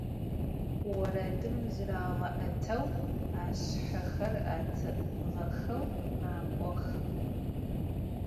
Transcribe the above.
Voredım zırağe'eteu, aşshexer etığexeu mak'ox.